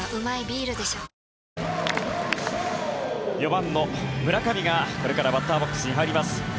４番の村上が、これからバッターボックスに入ります。